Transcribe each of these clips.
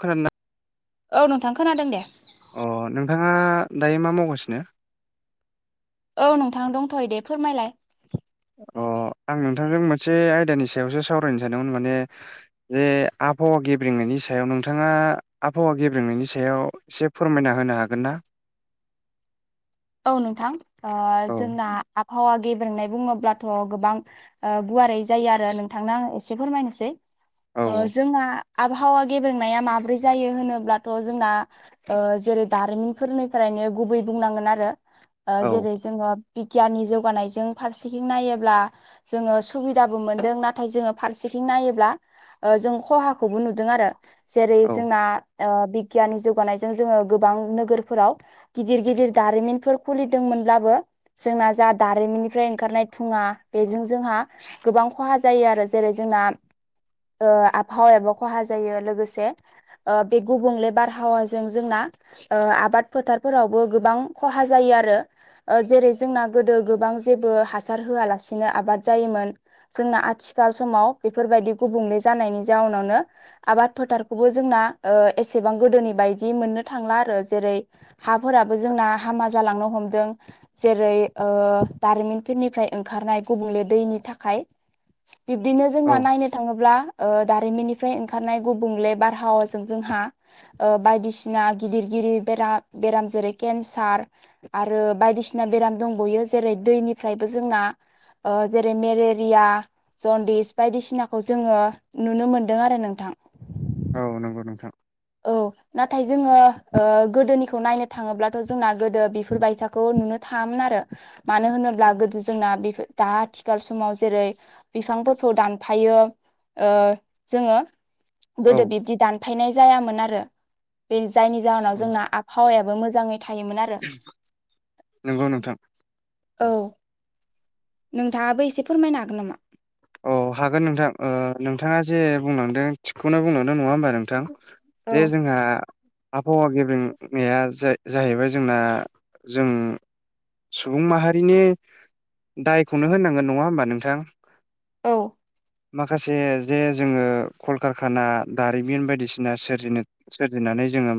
खोनादोंना? औ नोंथां खोनादों दे अ नोंथाङा दायो मा मावगासिनो? औ नोंथां दंथ'यै दे फोरमायलाय अ आं नोंथांजों मोनसे आयदानि सायावसो सावरायनो सानदोंमोन माने जे आबहावा गेब्रेंनायनि सायाव नोंथाङा आबहावा गेब्रेंनायनि सायाव एसे फोरमायना होनो हागोन ना? [inaudible] औ नोंथां ओ औ जोंना आबहावा गेब्रेंनाय बुङोब्लाथ' गोबां ओ गुवारै जायो आरो नोंथांनो आं एसे फोरमायनोसै औ ओ जोंना आबहावा गेब्रेंनाया माब्रै जायो होनोब्लाथ' जोंना ओ जेरै दारिमिनफोरनिफ्रायनो गुबै बुंनांगोन आरो ओ औ जेरै जोङो बिगियाननि जौगानायजों फारसेथिं नायोब्ला जोङो सुबिदाबो मोनदों नाथाय जोङो फारसेथिं नायोब्ला ओ जों खहाखौबो नुदों आरो जेरै औ जोंना ओ बिगियाननि जौगानायजों जोङो गोबां नोगोरफोराव गिदिर गिदिर दारिमिन बेफोर खुलिदोंमोनब्लाबो जोंना जा दारिमिननिफ्राय ओंखारनाय थुङा बेजों जोंहा गोबां खहा जायो आरो जेरै जोंना ओ आबहावायाबो ख'हा जायो लोगोसे ओ बे गुबुंले बारहावाजों जोंना ओ आबाद फोथारफोरावबो गोबां खहा जायो आरो ओ जेरै जोंना गोदो गोबां जेबो हासार होआलासिनो आबाद जायोमोन जोंना आथिखाल समाव बेफोरबायदि गुबुंले जानायनि जाउनावनो आबाद फोथारखौबो जोंना ओ एसेबां गोदोनि बायदि मोननो थांला आरो जेरै हाफोराबो जोंना हामा जालांनो हमदों जेरै ओ दारिमिनफोरनिफ्राय ओंखारनाय गुबुंले दैनि थाखाय बिब्दिनो जोंना औ नायनो थाङोब्ला ओ दारिमिननिफ्राय ओंखारनाय गुबुंले बारहावाजों जोंहा ओ बायदिसिना गिदिर गिरि बेरा बेराम जेरै केन्सार आरो बायदिसि जोना बेराम दंबावयो जेरै दैनिफ्रायबो जोंना जेरै ओ मेलेरिया जनदिस बायदिसिनाखौ जोङो नुनो मोनदों आरो नोंथां। औ नंगौ नोंथां। औ नाथाय जोङो ओ गोदोनिखौ नायनो थाङोब्लाथ' जोंना गोदो बेफोरबायसाखौ नुनो थाङामोन आरो। मानो होनोब्ला गोदो जोंना बेफोर दा आथिखाल समाव जेरै बिफांफोरखौ दानफायो ओ जोङो औ गोदो बिब्दि दानफायनाय जायामोन आरो बे जायनि जाहोनाव जोंना आबहावायाबो मोजाङै थायोमोन आरो। नंगौ नोंथां। औ नोंथाङाबो एसे फोरमायनो हागोन नामा? औ हागोन नोंथां ओ नोंथाङा जे बुंलांदों थिगखौनो बुंलांदों नङा होनोमबा नों थां औ जे जोंहा आबहावा गेबेंनाया जाहैबाय जोंना जों सुबुं माहारिनि दायखौनो होननांगोन नङा होमबा नोंथां औ माखासे जे जोङो कलकारखाना दारिमिन बायदिसिना सोरजिनो सोरजिनानै जोङो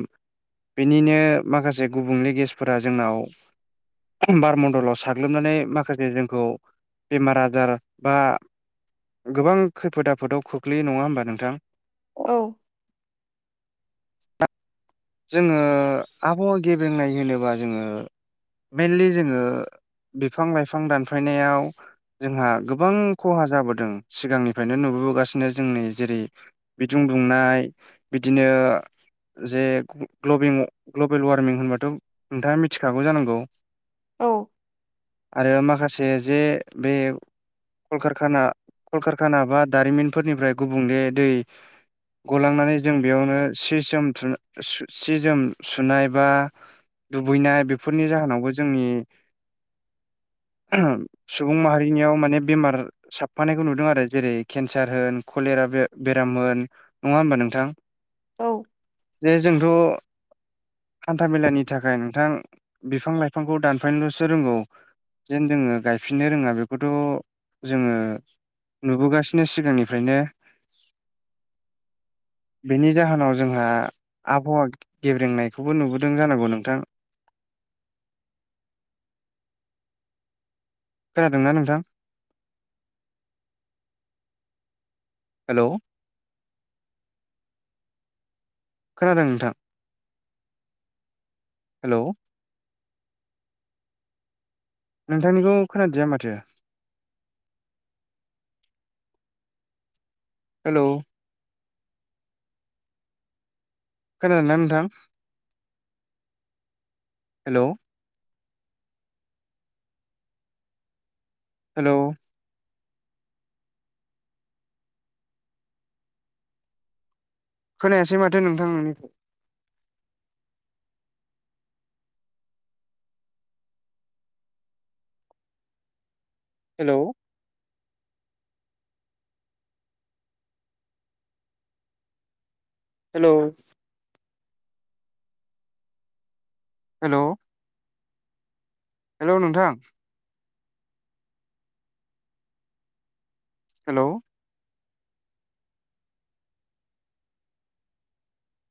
बेनिनो माखासे गुबुंले गेेसफोरा जोंनाव बार मडलाव साग्लोबनानै माखासे जोंखौ बेमार आजार बा गोबां खैफोद आफोदाव खोख्लैययो नङा होमबा नोंथां? औ जोङो आबहावा गेबेंनाय होनोबा जोङो मेइनलि जोङो बिफां लाइफां दानफायनायाव जोंहा गोबां खहा जाबोदों सिगांनिफ्रायनो नुबोबोगासिनो जोंनि जेरै बिदुं दुंनाय बिदिनो जे ग्लबिं ग्लबेल वार्मिं होनबाथ' नोंथाङा मिथिखागौ जानांगौ औ आरो माखासे जे बे कलकारखाना कलकारखाना बा दारिमिनफोरनिफ्राय गुबुंले दै गलांनानै जों बेयावनो सि जोम थु सि जोम सुनाय बा दुगैनाय बेफोरनि जाहोनावबो जोंनि सुबुं माहारिनियाव माने बेमार साबफानायखौ नुदों आरो जेरै केन्सार होन कलेरा बे बेराम होन नङा होमबा नोंथां औ जे जोंथ' हान्था मेलानि थाखाय नोंथां बिफां लाइफांखौ दानफायनोल'सो रोंगौ जेन जोङो गायफिननो रोङा बेखौथ' जोङो नुबोगासिनो सिगांनिफ्रायनो [inaudible] बेनि जाहोनाव जोंहा आबहावा गेब्रेंनायखौबो नुबोदों जानांगौ नोंथां खोनादोंना नोंथां हेल' खोनादों नोंथां हेल' नोंथांनिखौ खोनादिया माथो हेल' खोनादोंना नोंथां हेल' हेल' खोनायासै माथो नोंथां नोंनिफ्राय हेल' हेल' हेल' हेल' नोंथां हेल'